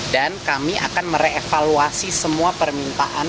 dan kami akan merevaluasi semua permintaan